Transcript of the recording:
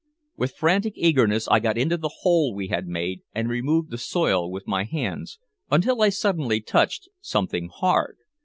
With frantic eagerness I got into the hole we had made and removed the soil with my hands, until I suddenly touched something hard.